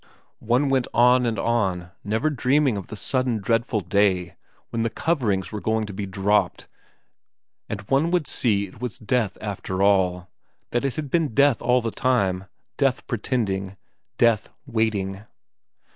One went on and on, never dreaming of the sudden dreadful day when the coverings were going to be dropped and one would see it was death after all, that it had been death all the time, death pretending, death waiting.